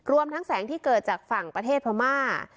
ทั้งแสงที่เกิดจากฝั่งประเทศพม่า